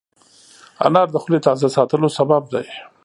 انار د خولې تازه ساتلو سبب دی.